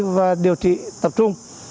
và điều trị tập trung